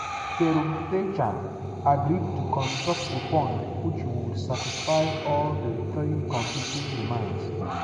Perumthachan agreed to construct a pond which would satisfy all the three conflicting demands.